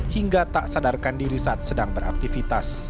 hingga tak sadarkan diri saat sedang beraktivitas